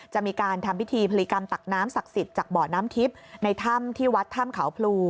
จะมีการทำพิธีพลีกรรมตักน้ำศักดิ์สิทธิ์จากบ่อน้ำทิพย์ในถ้ำที่วัดถ้ำเขาพลู